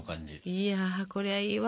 いやこれはいいわ。